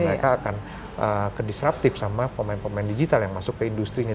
mereka akan ke disruptive sama pemain pemain digital yang masuk ke industri nya